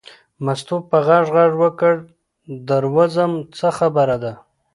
مستو په غږ غږ وکړ در وځم څه خبره ده.